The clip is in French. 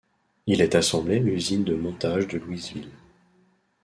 Il est assemblé à l'usine de montage de Louisville.